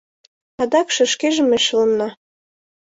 — Адакше... шкеже ме шылына...